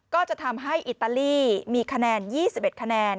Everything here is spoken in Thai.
ก็จะทำให้อิตาลีมีคะแนน๒๑คะแนน